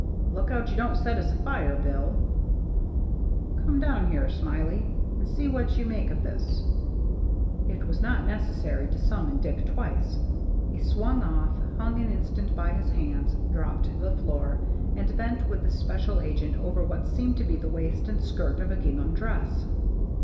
" Look out you don't set us afire. Bill." " Come down here. Smiley, and see what you make of this." It was not necessary to summon Dick twice. He swung off, hung an instant by his hands. 278 THE MERRT ANNE dropped to the floor, and bent with the special agent over what seemed to be the waist and skirt of a gingham dress.